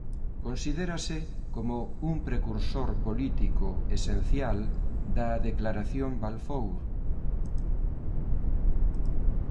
Considérase como un precursor político esencial da Declaración Balfour.